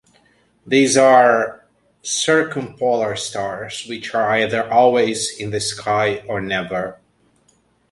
These are circumpolar stars, which are either always in the sky or never.